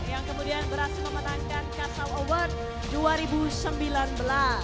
yang kemudian berhasil memenangkan kasal award dua ribu sembilan belas